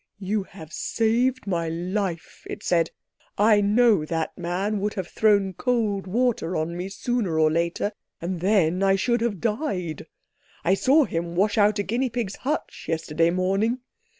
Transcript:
"You have saved my life," it said. "I know that man would have thrown cold water on me sooner or later, and then I should have died. I saw him wash out a guinea pig's hutch yesterday morning.